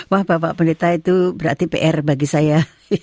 wah bapak pendeta itu berarti pr bagi saya